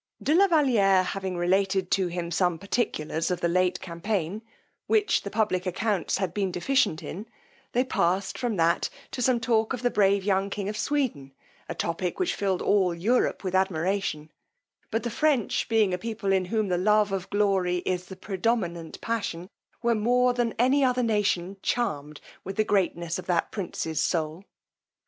De la Valiere having related to him some particulars of the late campaign, which the public accounts had been deficient in, they passed from that to some talk of the brave young king of Sweden, a topic which filled all Europe with admiration: but the French being a people in whom the love of glory is the predominant passion, were more than any other nation charmed with the greatness of that prince's soul.